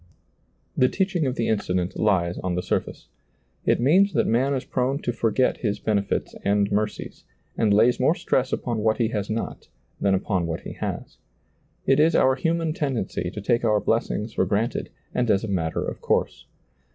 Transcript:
The teaching of the incident lies on the surface. It means that man is prone to forget his benefits ^lailizccbvGoOgle 148 SEEING DARKLY and mercies, and lays more stress upon what he has not than upon what he has. It is our human tendency to take our blessings for granted and as a matter of course.